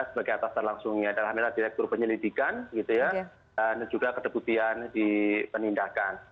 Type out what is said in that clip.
sebagai atasan langsungnya dan amirat direktur penyelidikan gitu ya dan juga kedebutian di penindakan